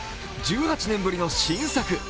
１８年ぶりの新作。